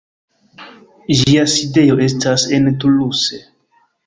Ĝia sidejo estas en Toulouse.